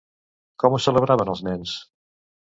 Com ho celebraven els nens?